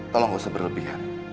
tolong gak usah berlebihan